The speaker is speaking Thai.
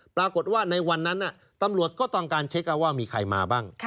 ปรากฏว่าในวันนั้นตำรวจก็ต้องการเช็คว่ามีใครมาบ้าง